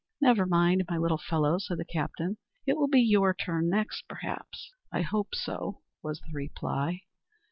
"Never mind, my little fellow," said the captain; "it will be your turn next, perhaps." "I hope so," was the reply.